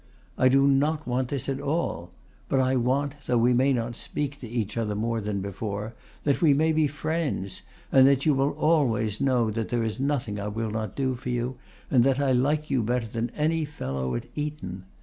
I do not want this at all; but I want, though we may not speak to each other more than before, that we may be friends; and that you will always know that there is nothing I will not do for you, and that I like you better than any fellow at Eton.